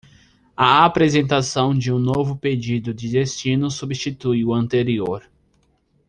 A apresentação de um novo pedido de destino substitui o anterior.